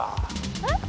えっ⁉